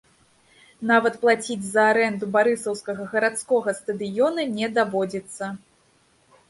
Нават плаціць за арэнду барысаўскага гарадскога стадыёна не даводзіцца.